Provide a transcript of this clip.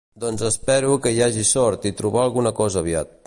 Doncs espero que hi hagi sort i trobar alguna cosa aviat.